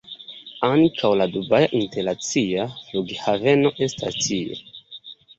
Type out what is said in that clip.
Ankaŭ la Dubaja Internacia Flughaveno estas tie.